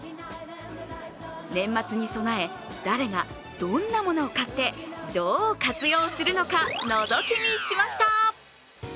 年末に備え、誰がどんなものを買ってどう活用するのか、のぞき見しました。